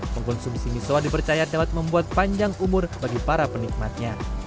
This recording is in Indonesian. mengkonsumsi misoa dipercaya dapat membuat panjang umur bagi para penikmatnya